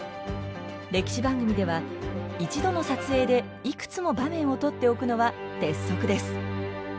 歴史番組では一度の撮影でいくつも場面を撮っておくのは鉄則です。